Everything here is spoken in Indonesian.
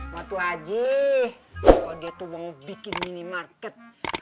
waktu haji kalau dia tuh mau bikin minimarket